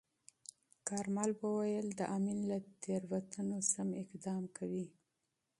کارمل وویل، د امین له تیروتنو سم اقدام کوي.